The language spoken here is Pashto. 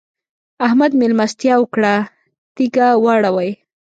احمد؛ مېلمستيا وکړه - تيږه واړوئ.